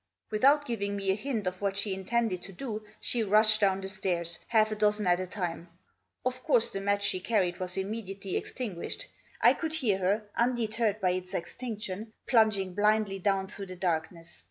Without giving me a hint of what she intended to do she rushed down the stairs, half a dozen at a time. Of course the match she carried was immediately extinguished. I could hear her, undeterred by its extinction, plunging blindly down through the dark ness.